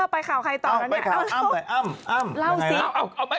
ไปข่าวใครต่อไปข่าวเอ้อมเดี๋ยวเอ้อม